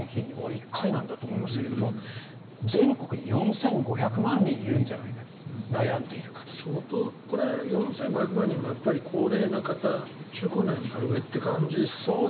１回なんだと思いましたが全国に４５００万人いるんじゃないかこれは４５００万人って中高年から上という感じですか？